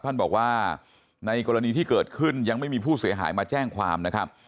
ท่านบอกว่าในกรณีที่เกิดขึ้นยังไม่มีผู้เสียหายมาแจ้งความนะครับ